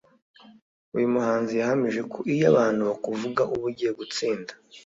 uyu muhanzi yahamije ko ‘Iyo abantu bakuvuga uba ugiye gutsinda